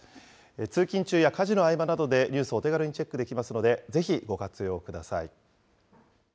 通勤中や家事の合間などで、ニュースをお手軽にチェックできますので、ぜひご活用ください。